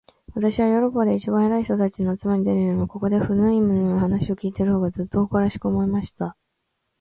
私はヨーロッパで一番偉い人たちの集まりに出るよりも、ここで、フウイヌムの話を開いている方が、ずっと誇らしく思えました。